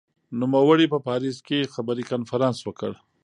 نوموړي په پاریس کې خبري کنفرانس وکړ.